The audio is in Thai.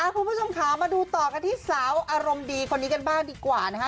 คุณผู้ชมค่ะมาดูต่อกันที่สาวอารมณ์ดีคนนี้กันบ้างดีกว่านะคะ